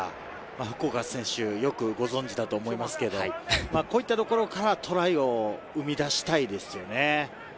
福岡選手、よくご存じだと思いますけど、こういったところからトライを生み出したいですよね。